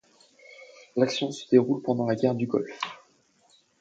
L'action se déroule pendant la guerre du Golfe.